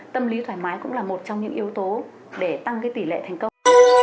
tâm lý thoải mái cũng là một trong những yếu tố để tăng tỷ lệ thành công